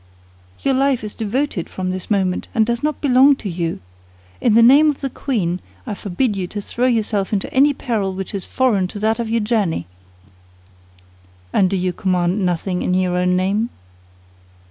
"Your life is devoted from this moment, and does not belong to you. In the name of the queen I forbid you to throw yourself into any peril which is foreign to that of your journey." "And do you command nothing in your own name?"